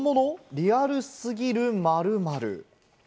リアル過ぎる○○。